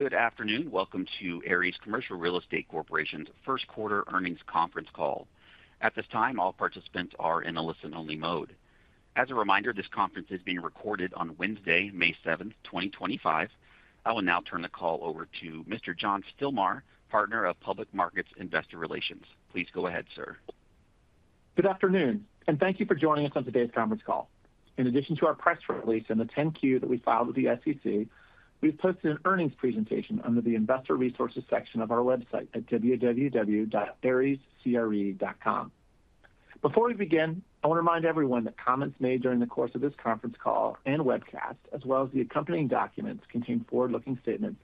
Good afternoon. Welcome to Ares Commercial Real Estate Corporation's first quarter earnings conference call. At this time, all participants are in a listen-only mode. As a reminder, this conference is being recorded on Wednesday, May 7th, 2025. I will now turn the call over to Mr. John Stilmar, Partner of Public Markets Investor Relations. Please go ahead, sir. Good afternoon, and thank you for joining us on today's conference call. In addition to our press release and the 10-Q that we filed with the SEC, we've posted an earnings presentation under the Investor Resources section of our website at www.arescre.com. Before we begin, I want to remind everyone that comments made during the course of this conference call and webcast, as well as the accompanying documents, contain forward-looking statements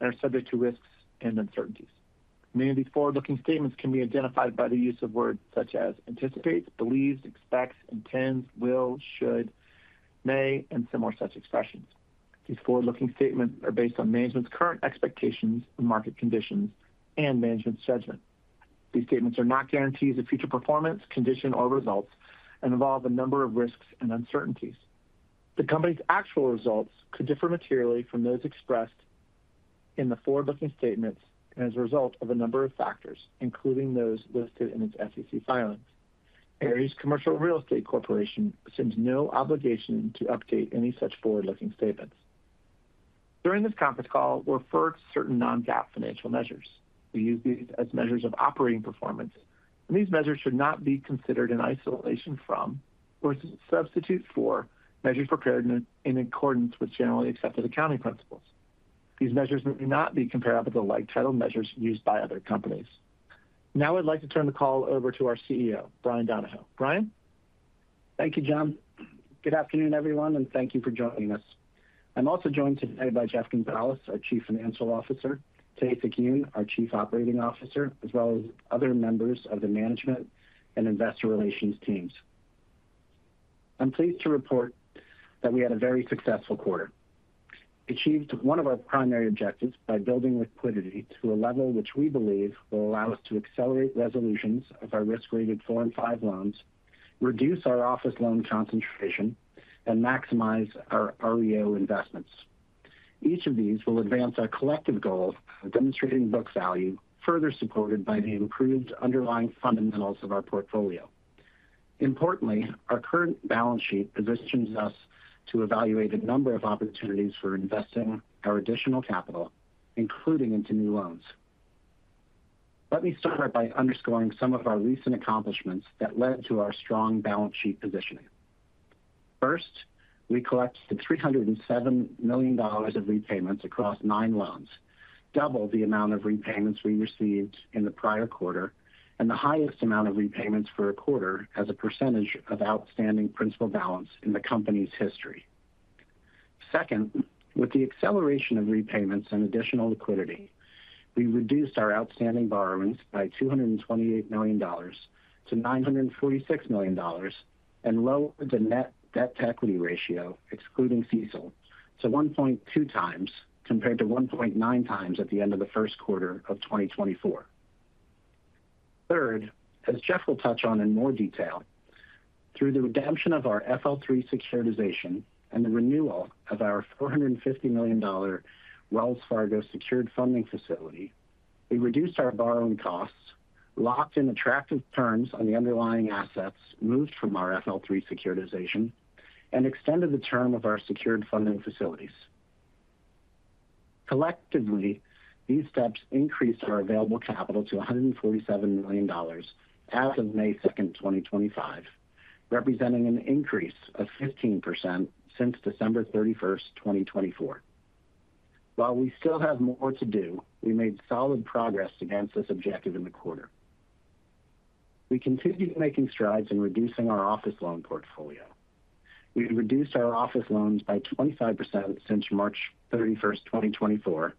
and are subject to risks and uncertainties. Many of these forward-looking statements can be identified by the use of words such as anticipates, believes, expects, intends, will, should, may, and similar such expressions. These forward-looking statements are based on management's current expectations of market conditions and management's judgment. These statements are not guarantees of future performance, condition, or results, and involve a number of risks and uncertainties. The company's actual results could differ materially from those expressed in the forward-looking statements as a result of a number of factors, including those listed in its SEC filings. Ares Commercial Real Estate Corporation assumes no obligation to update any such forward-looking statements. During this conference call, we'll refer to certain non-GAAP financial measures. We use these as measures of operating performance, and these measures should not be considered in isolation from or substitute for measures prepared in accordance with generally accepted accounting principles. These measures may not be comparable to the like-titled measures used by other companies. Now I'd like to turn the call over to our CEO, Bryan Donohoe. Bryan. Thank you, John. Good afternoon, everyone, and thank you for joining us. I'm also joined today by Jeffrey Gonzales, our Chief Financial Officer; Tae-Sik Yoon, our Chief Operating Officer, as well as other members of the Management and Investor Relations teams. I'm pleased to report that we had a very successful quarter. We achieved one of our primary objectives by building liquidity to a level which we believe will allow us to accelerate resolutions of our risk-rated four and five loans, reduce our office loan concentration, and maximize our REO investments. Each of these will advance our collective goal of demonstrating book value, further supported by the improved underlying fundamentals of our portfolio. Importantly, our current balance sheet positions us to evaluate a number of opportunities for investing our additional capital, including into new loans. Let me start by underscoring some of our recent accomplishments that led to our strong balance sheet positioning. First, we collected $307 million of repayments across nine loans, double the amount of repayments we received in the prior quarter, and the highest amount of repayments for a quarter as a percentage of outstanding principal balance in the company's history. Second, with the acceleration of repayments and additional liquidity, we reduced our outstanding borrowings by $228 million to $946 million and lowered the net debt-to-equity ratio, excluding CSOL, to 1.2x compared to 1.9x at the end of the first quarter of 2024. Third, as Jeff will touch on in more detail, through the redemption of our FL3 securitization and the renewal of our $450 million Wells Fargo secured funding facility, we reduced our borrowing costs, locked in attractive terms on the underlying assets moved from our FL3 securitization, and extended the term of our secured funding facilities. Collectively, these steps increased our available capital to $147 million as of May 2nd, 2025, representing an increase of 15% since December 31st, 2024. While we still have more to do, we made solid progress against this objective in the quarter. We continue making strides in reducing our office loan portfolio. We reduced our office loans by 25% since March 31st, 2024,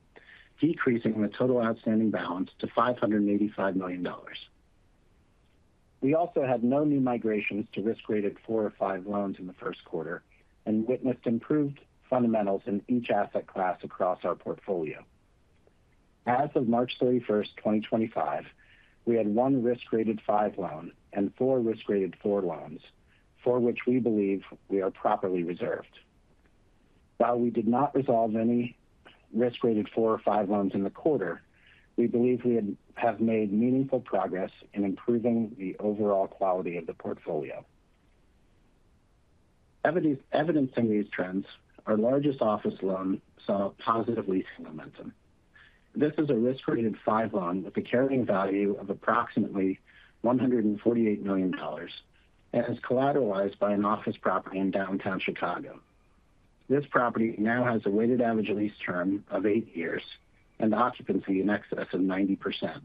decreasing the total outstanding balance to $585 million. We also had no new migrations to risk-rated four or five loans in the first quarter and witnessed improved fundamentals in each asset class across our portfolio. As of March 31st, 2025, we had one risk-rated five loan and four risk-rated four loans, for which we believe we are properly reserved. While we did not resolve any risk-rated four or five loans in the quarter, we believe we have made meaningful progress in improving the overall quality of the portfolio. Evidencing these trends, our largest office loan saw a positive leasing momentum. This is a risk-rated five loan with a carrying value of approximately $148 million and is collateralized by an office property in downtown Chicago. This property now has a weighted average lease term of eight years and occupancy in excess of 90%.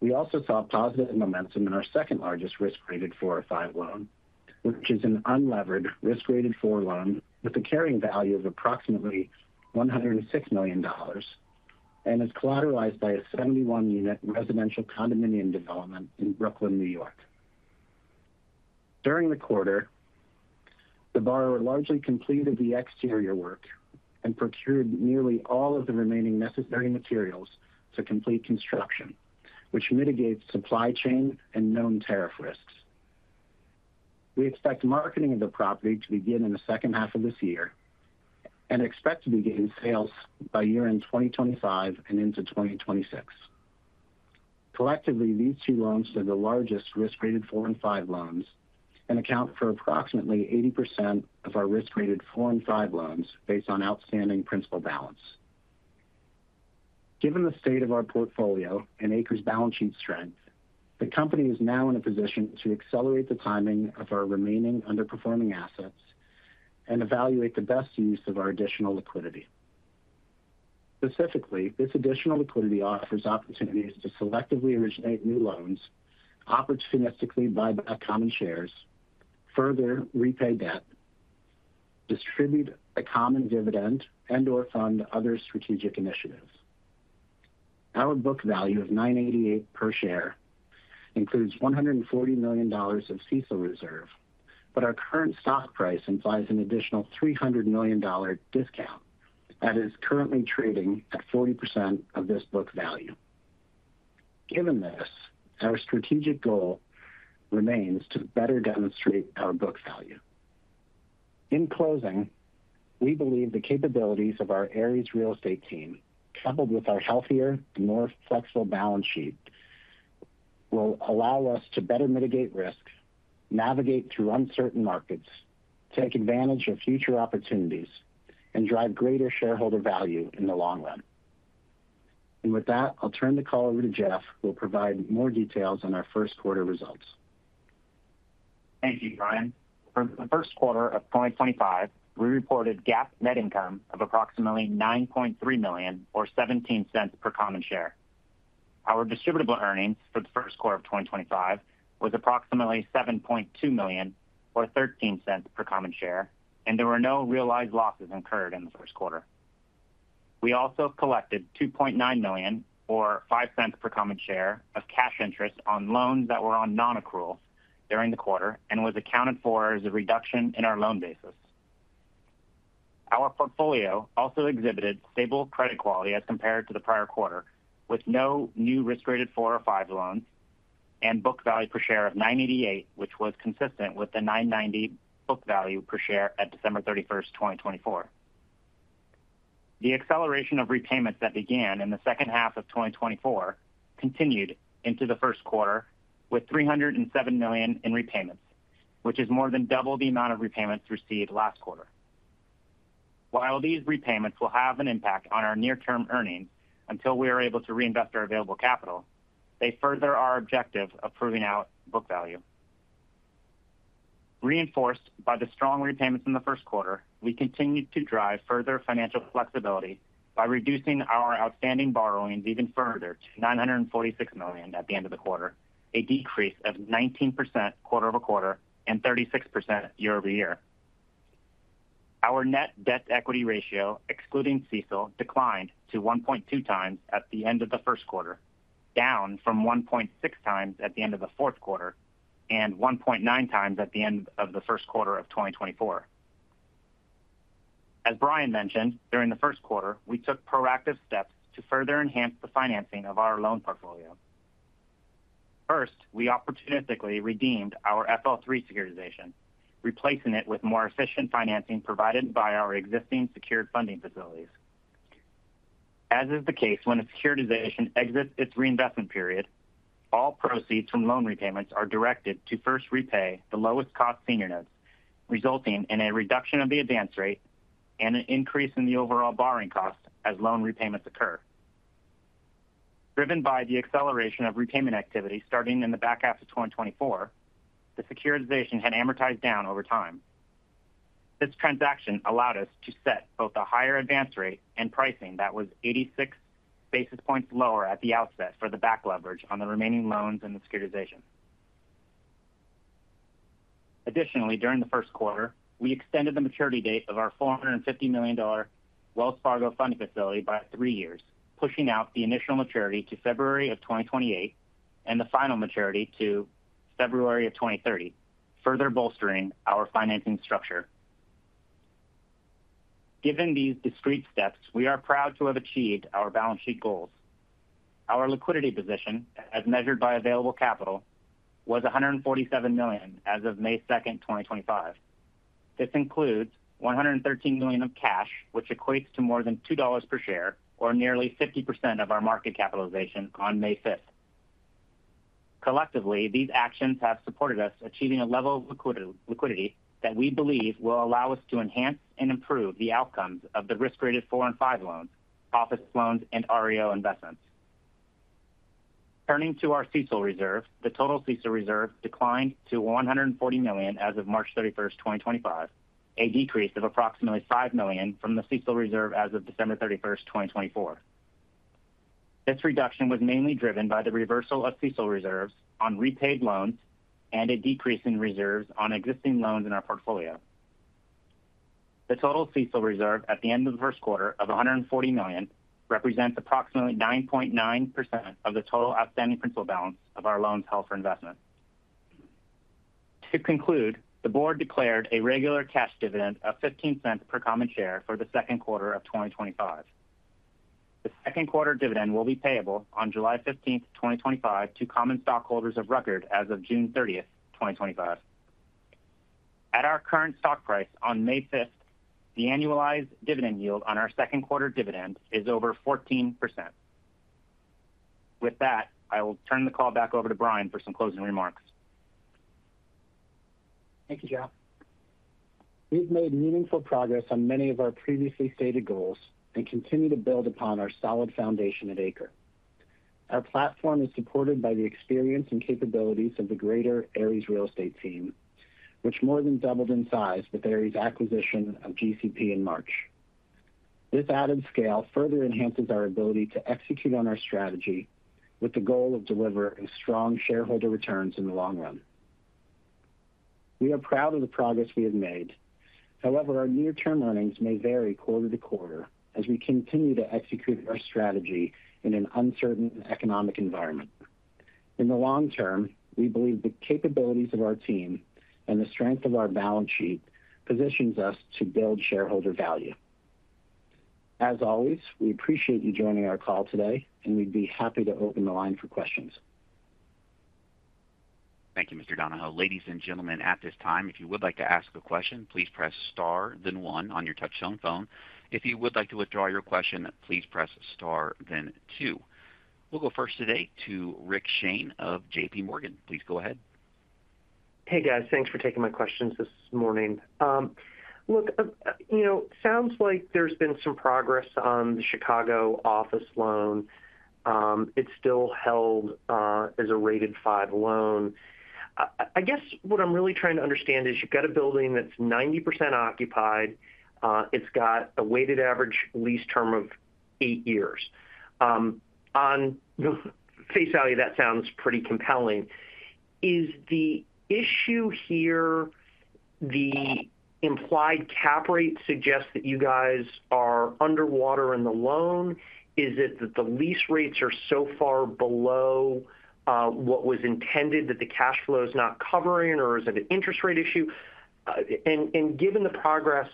We also saw positive momentum in our second largest risk-rated four or five loan, which is an unlevered risk-rated four loan with a carrying value of approximately $106 million and is collateralized by a 71-unit residential condominium development in Brooklyn, New York. During the quarter, the borrower largely completed the exterior work and procured nearly all of the remaining necessary materials to complete construction, which mitigates supply chain and known tariff risks. We expect marketing of the property to begin in the second half of this year and expect to begin sales by year-end 2025 and into 2026. Collectively, these two loans are the largest risk-rated four and five loans and account for approximately 80% of our risk-rated four and five loans based on outstanding principal balance. Given the state of our portfolio and ACRE' balance sheet strength, the company is now in a position to accelerate the timing of our remaining underperforming assets and evaluate the best use of our additional liquidity. Specifically, this additional liquidity offers opportunities to selectively originate new loans, opportunistically buy back common shares, further repay debt, distribute a common dividend, and/or fund other strategic initiatives. Our book value of $9.88 per share includes $140 million of CSOL reserve, but our current stock price implies an additional $300 million discount that is currently trading at 40% of this book value. Given this, our strategic goal remains to better demonstrate our book value. In closing, we believe the capabilities of our Ares real estate team, coupled with our healthier and more flexible balance sheet, will allow us to better mitigate risk, navigate through uncertain markets, take advantage of future opportunities, and drive greater shareholder value in the long run. With that, I'll turn the call over to Jeff, who will provide more details on our first quarter results. Thank you, Bryan. For the first quarter of 2025, we reported GAAP net income of approximately $9.3 million or $0.17 per common share. Our distributable earnings for the first quarter of 2025 was approximately $7.2 million or $0.13 per common share, and there were no realized losses incurred in the first quarter. We also collected $2.9 million or $0.05 per common share of cash interest on loans that were on non-accrual during the quarter and was accounted for as a reduction in our loan basis. Our portfolio also exhibited stable credit quality as compared to the prior quarter, with no new risk-rated four or five loans and book value per share of $9.88, which was consistent with the $9.90 book value per share at December 31st, 2024. The acceleration of repayments that began in the second half of 2024 continued into the first quarter with $307 million in repayments, which is more than double the amount of repayments received last quarter. While these repayments will have an impact on our near-term earnings until we are able to reinvest our available capital, they further our objective of proving out book value. Reinforced by the strong repayments in the first quarter, we continue to drive further financial flexibility by reducing our outstanding borrowings even further to $946 million at the end of the quarter, a decrease of 19% quarter-over-quarter and 36% year-over-year. Our net debt-to-equity ratio, excluding CSOL, declined to 1.2x at the end of the first quarter, down from 1.6x at the end of the fourth quarter and 1.9x at the end of the first quarter of 2024. As Bryan mentioned, during the first quarter, we took proactive steps to further enhance the financing of our loan portfolio. First, we opportunistically redeemed our FL3 securitization, replacing it with more efficient financing provided by our existing secured funding facilities. As is the case when a securitization exits its reinvestment period, all proceeds from loan repayments are directed to first repay the lowest-cost senior notes, resulting in a reduction of the advance rate and an increase in the overall borrowing cost as loan repayments occur. Driven by the acceleration of repayment activity starting in the back half of 2024, the securitization had amortized down over time. This transaction allowed us to set both a higher advance rate and pricing that was 86 basis points lower at the outset for the back leverage on the remaining loans and the securitization. Additionally, during the first quarter, we extended the maturity date of our $450 million Wells Fargo funding facility by three years, pushing out the initial maturity to February of 2028 and the final maturity to February of 2030, further bolstering our financing structure. Given these discreet steps, we are proud to have achieved our balance sheet goals. Our liquidity position, as measured by available capital, was $147 million as of May 2nd, 2025. This includes $113 million of cash, which equates to more than $2 per share or nearly 50% of our market capitalization on May 5th. Collectively, these actions have supported us achieving a level of liquidity that we believe will allow us to enhance and improve the outcomes of the risk-rated four and five loans, office loans, and REO investments. Turning to our CSOL reserve, the total CSOL reserve declined to $140 million as of March 31st, 2025, a decrease of approximately $5 million from the CSOL reserve as of December 31st, 2024. This reduction was mainly driven by the reversal of CSOL reserves on repaid loans and a decrease in reserves on existing loans in our portfolio. The total CSOL reserve at the end of the first quarter of $140 million represents approximately 9.9% of the total outstanding principal balance of our loans held for investment. To conclude, the board declared a regular cash dividend of $0.15 per common share for the second quarter of 2025. The second quarter dividend will be payable on July 15th, 2025, to common stockholders of record as of June 30th, 2025. At our current stock price on May 5th, the annualized dividend yield on our second quarter dividend is over 14%. With that, I will turn the call back over to Bryan for some closing remarks. Thank you, Jeff. We've made meaningful progress on many of our previously stated goals and continue to build upon our solid foundation at ACRE. Our platform is supported by the experience and capabilities of the greater Ares real estate team, which more than doubled in size with Ares' acquisition of GCP in March. This added scale further enhances our ability to execute on our strategy with the goal of delivering strong shareholder returns in the long run. We are proud of the progress we have made. However, our near-term earnings may vary quarter to quarter as we continue to execute our strategy in an uncertain economic environment. In the long term, we believe the capabilities of our team and the strength of our balance sheet positions us to build shareholder value. As always, we appreciate you joining our call today, and we'd be happy to open the line for questions. Thank you, Mr. Donohoe. Ladies and gentlemen, at this time, if you would like to ask a question, please press star, then one on your touch-tone phone. If you would like to withdraw your question, please press star, then two. We'll go first today to Rick Shane of JPMorgan. Please go ahead. Hey, guys. Thanks for taking my questions this morning. Look, you know, it sounds like there's been some progress on the Chicago office loan. It's still held as a rated five loan. I guess what I'm really trying to understand is you've got a building that's 90% occupied. It's got a weighted average lease term of eight years. On the face value, that sounds pretty compelling. Is the issue here the implied cap rate suggests that you guys are underwater in the loan? Is it that the lease rates are so far below what was intended that the cash flow is not covering, or is it an interest rate issue? Given the progress,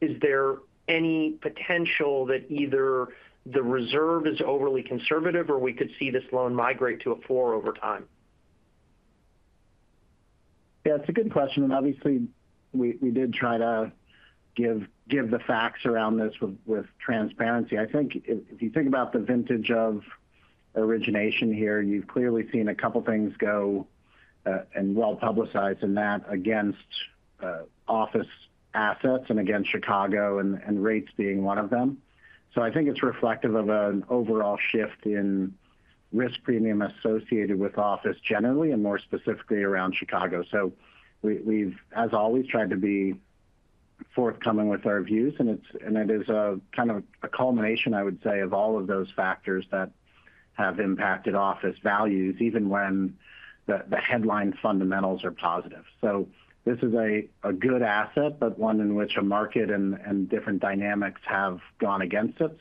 is there any potential that either the reserve is overly conservative or we could see this loan migrate to a four over time? Yeah, it's a good question. Obviously, we did try to give the facts around this with transparency. I think if you think about the vintage of origination here, you've clearly seen a couple of things go and well publicized in that against office assets and against Chicago and rates being one of them. I think it's reflective of an overall shift in risk premium associated with office generally and more specifically around Chicago. We've, as always, tried to be forthcoming with our views, and it is kind of a culmination, I would say, of all of those factors that have impacted office values even when the headline fundamentals are positive. This is a good asset, but one in which a market and different dynamics have gone against it.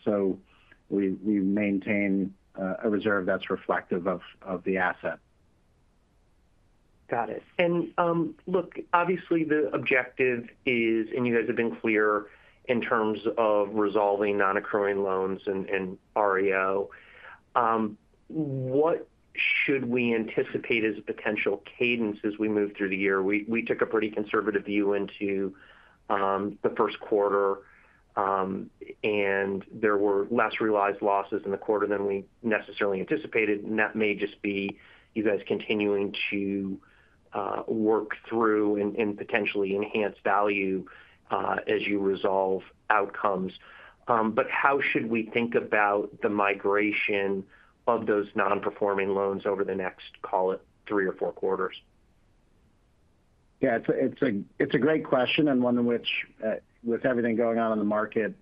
We maintain a reserve that's reflective of the asset. Got it. Look, obviously, the objective is, and you guys have been clear in terms of resolving non-accruing loans and REO, what should we anticipate as a potential cadence as we move through the year? We took a pretty conservative view into the first quarter, and there were less realized losses in the quarter than we necessarily anticipated. That may just be you guys continuing to work through and potentially enhance value as you resolve outcomes. How should we think about the migration of those non-performing loans over the next, call it, three or four quarters? Yeah, it's a great question and one in which, with everything going on in the market,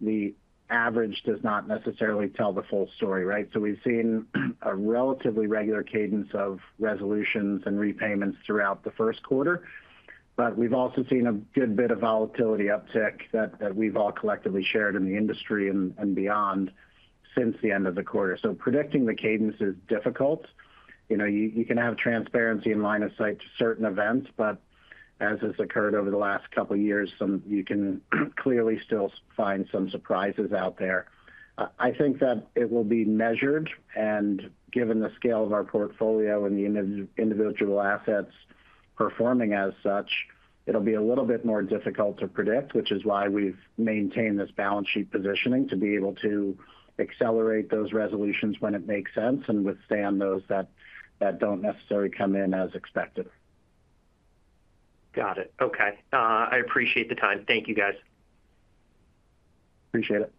the average does not necessarily tell the full story, right? We have seen a relatively regular cadence of resolutions and repayments throughout the first quarter, but we have also seen a good bit of volatility uptick that we have all collectively shared in the industry and beyond since the end of the quarter. Predicting the cadence is difficult. You can have transparency in line of sight to certain events, but as has occurred over the last couple of years, you can clearly still find some surprises out there. I think that it will be measured, and given the scale of our portfolio and the individual assets performing as such, it'll be a little bit more difficult to predict, which is why we've maintained this balance sheet positioning to be able to accelerate those resolutions when it makes sense and withstand those that don't necessarily come in as expected. Got it. Okay. I appreciate the time. Thank you, guys. Appreciate it.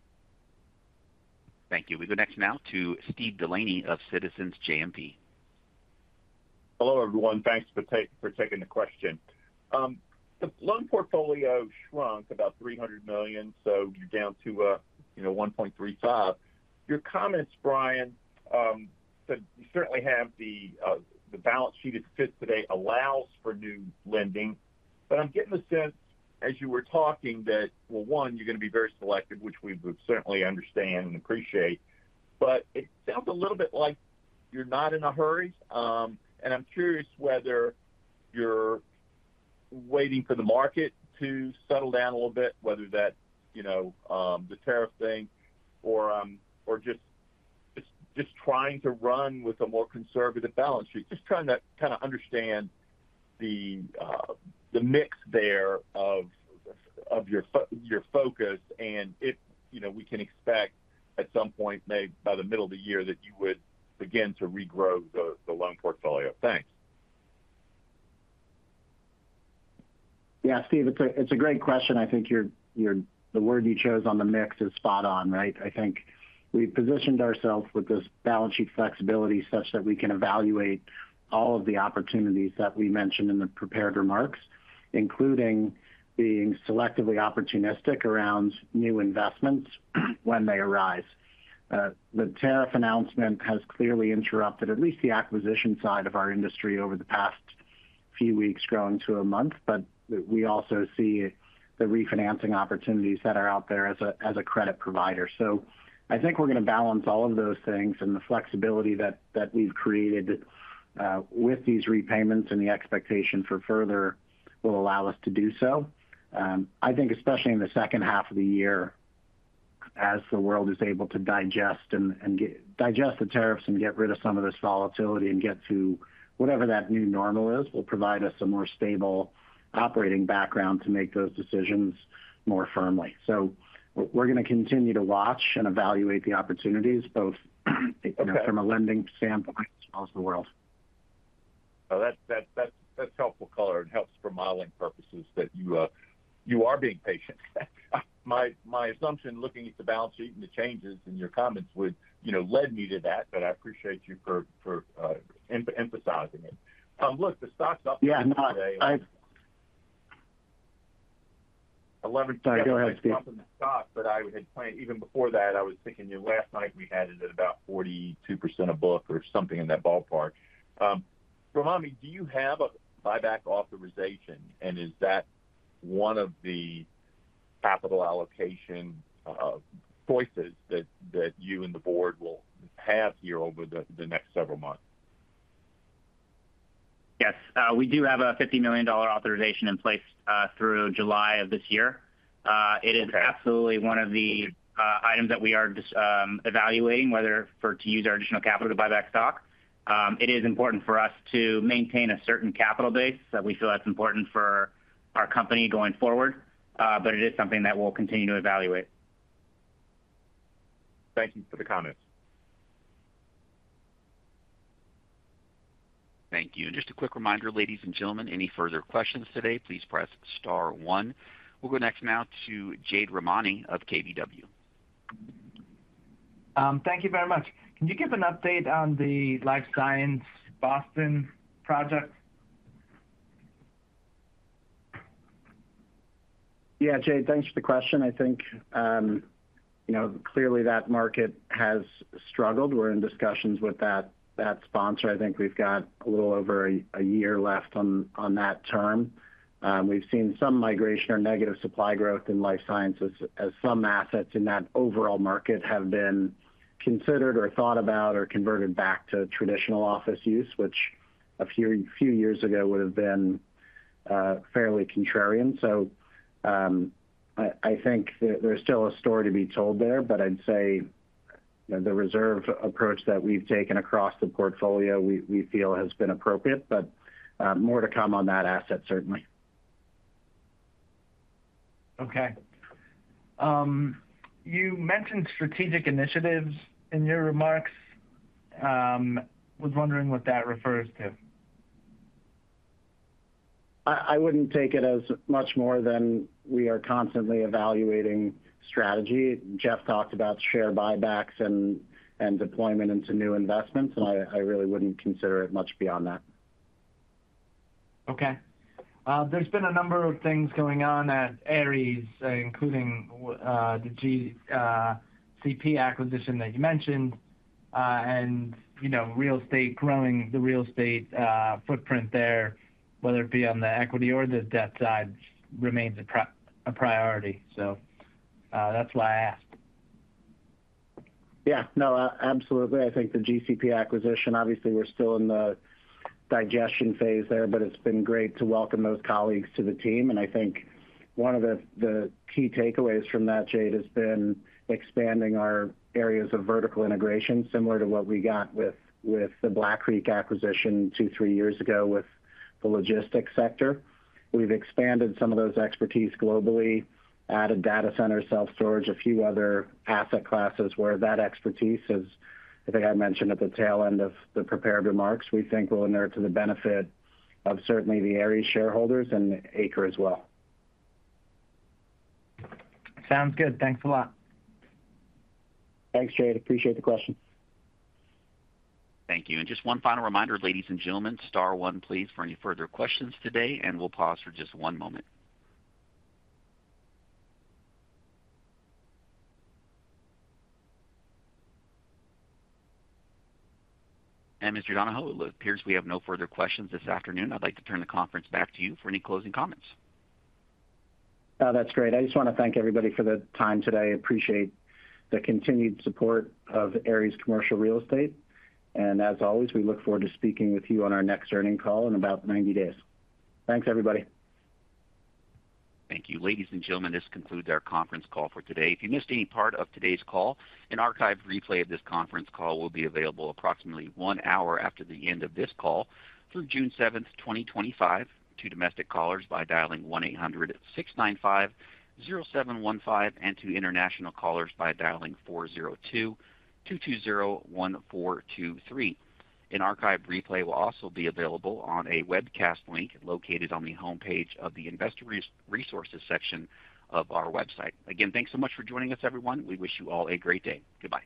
Thank you. We go next now to Steve Delaney of Citizens JMP. Hello, everyone. Thanks for taking the question. The loan portfolio shrunk about $300 million, so you're down to $1.35 billion. Your comments, Bryan, you certainly have the balance sheet as it sits today allows for new lending. I'm getting the sense, as you were talking, that, one, you're going to be very selective, which we certainly understand and appreciate, but it sounds a little bit like you're not in a hurry. I'm curious whether you're waiting for the market to settle down a little bit, whether that's the tariff thing or just trying to run with a more conservative balance sheet. Just trying to kind of understand the mix there of your focus, and if we can expect at some point, maybe by the middle of the year, that you would begin to regrow the loan portfolio. Thanks. Yeah, Steve, it's a great question. I think the word you chose on the mix is spot on, right? I think we've positioned ourselves with this balance sheet flexibility such that we can evaluate all of the opportunities that we mentioned in the prepared remarks, including being selectively opportunistic around new investments when they arise. The tariff announcement has clearly interrupted at least the acquisition side of our industry over the past few weeks, growing to a month, but we also see the refinancing opportunities that are out there as a credit provider. I think we're going to balance all of those things and the flexibility that we've created with these repayments and the expectation for further will allow us to do so. I think especially in the second half of the year, as the world is able to digest the tariffs and get rid of some of this volatility and get to whatever that new normal is, will provide us a more stable operating background to make those decisions more firmly. We're going to continue to watch and evaluate the opportunities both from a lending standpoint as well as the world. That's helpful color and helps for modeling purposes that you are being patient. My assumption looking at the balance sheet and the changes in your comments would lead me to that, but I appreciate you for emphasizing it. Look, the stock's up today at $11.96, but I had planned even before that, I was thinking last night we had it at about 42% of book or something in that ballpark. Rahmani, do you have a buyback authorization, and is that one of the capital allocation choices that you and the board will have here over the next several months? Yes. We do have a $50 million authorization in place through July of this year. It is absolutely one of the items that we are evaluating, whether to use our additional capital to buy back stock. It is important for us to maintain a certain capital base that we feel that's important for our company going forward, but it is something that we'll continue to evaluate. Thank you for the comments. Thank you. And just a quick reminder, ladies and gentlemen, any further questions today, please press star one. We'll go next now to Jade Rahmani of KBW. Thank you very much. Can you give an update on the Life Science Boston project? Yeah, Jade, thanks for the question. I think clearly that market has struggled. We're in discussions with that sponsor. I think we've got a little over a year left on that term. We've seen some migration or negative supply growth in life sciences as some assets in that overall market have been considered or thought about or converted back to traditional office use, which a few years ago would have been fairly contrarian. I think there's still a story to be told there, but I'd say the reserve approach that we've taken across the portfolio, we feel, has been appropriate, but more to come on that asset, certainly. Okay. You mentioned strategic initiatives in your remarks. I was wondering what that refers to. I wouldn't take it as much more than we are constantly evaluating strategy. Jeff talked about share buybacks and deployment into new investments, and I really wouldn't consider it much beyond that. Okay. There's been a number of things going on at Ares, including the GCP acquisition that you mentioned and real estate, growing the real estate footprint there, whether it be on the equity or the debt side, remains a priority. That's why I asked. Yeah. No, absolutely. I think the GCP acquisition, obviously, we're still in the digestion phase there, but it's been great to welcome those colleagues to the team. I think one of the key takeaways from that, Jade, has been expanding our areas of vertical integration, similar to what we got with the Black Creek acquisition two, three years ago with the logistics sector. We've expanded some of those expertise globally, added data center, self-storage, a few other asset classes where that expertise is, I think I mentioned at the tail end of the prepared remarks, we think will inure to the benefit of certainly the Ares shareholders and ACRE as well. Sounds good. Thanks a lot. Thanks, Jade. Appreciate the question. Thank you. Just one final reminder, ladies and gentlemen, star one please for any further questions today, and we'll pause for just one moment. Mr. Donohoe, it appears we have no further questions this afternoon. I'd like to turn the conference back to you for any closing comments. That's great. I just want to thank everybody for the time today. I appreciate the continued support of Ares Commercial Real Estate. As always, we look forward to speaking with you on our next earning call in about 90 days. Thanks, everybody. Thank you. Ladies and gentlemen, this concludes our conference call for today. If you missed any part of today's call, an archived replay of this conference call will be available approximately one hour after the end of this call through June 7th, 2025, to domestic callers by dialing 1-800-695-0715 and to international callers by dialing 402-220-1423. An archived replay will also be available on a webcast link located on the homepage of the investor resources section of our website. Again, thanks so much for joining us, everyone. We wish you all a great day. Goodbye.